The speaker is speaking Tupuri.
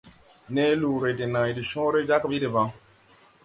Ne luuri de nãy de cõõre jag ɓi debaŋ.